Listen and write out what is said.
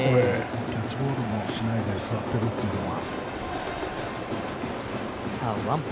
キャッチボールもしないで座っているというのは。